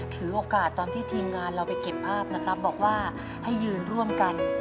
ถือโอกาสตอนที่ทีมงานเราไปเก็บภาพนะครับบอกว่าให้ยืนร่วมกัน